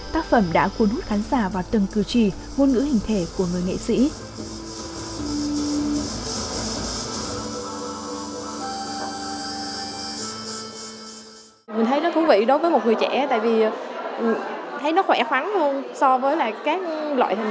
tác phẩm đã cuốn hút khán giả vào tầng cư trì ngôn ngữ hình thể của người nghệ sĩ